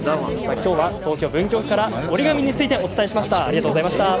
きょうは東京・文京区から折り紙についてお伝えしました。